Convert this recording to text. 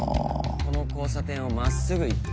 この交差点をまっすぐ行って。